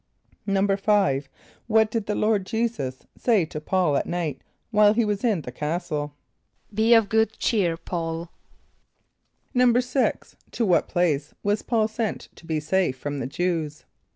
= =5.= What did the Lord J[=e]´[s+]us say to P[a:]ul at night while he was in the castle? ="Be of good cheer, P[a:]ul!"= =6.= To what place was P[a:]ul sent to be safe from the Jew[s+]?